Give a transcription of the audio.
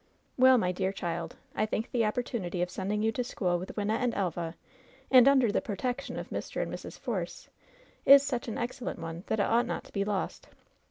"Well, my dear child, I think the opportunity of send ing you to school with Wynnette and Elva, and under the protection of Mr. and Mrs. Force, is such an excel lent one that it ought not to be lost.